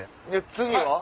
次は？